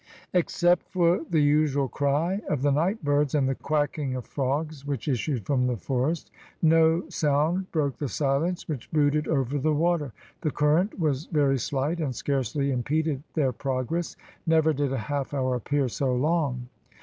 Except the usual cry of the nightbirds and the quacking of frogs, which issued from the forest, no sound broke the silence which brooded over the water. The current was very slight, and scarcely impeded their progress. Never did a half hour appear so long.